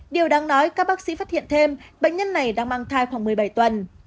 điều đáng nói các bác sĩ phát hiện thêm bệnh nhân này đang mang thai khoảng một mươi bảy tuần